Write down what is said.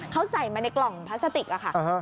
เขาใส่มาในกล่องพลาสติกอะค่ะ